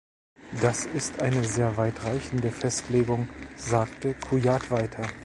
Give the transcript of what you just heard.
Das ist eine sehr weitreichende Festlegung“, sagte Kujat weiter.